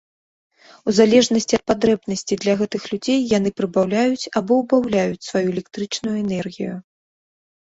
У залежнасці ад патрэбнасцей для гэтых людзей, яны прыбаўляюць або ўбаўляюць сваю электрычную энергію.